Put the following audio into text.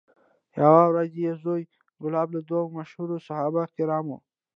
یوه ورځ یې زوی کلاب له دوو مشهورو صحابه کرامو